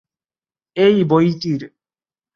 এই বইটির।